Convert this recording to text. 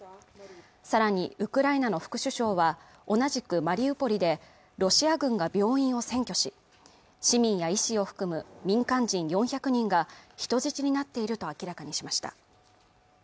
さらにウクライナの副首相は同じくマリウポリでロシア軍が病院を占拠し市民や医師を含む民間人４００人が人質になっていると明らかにしました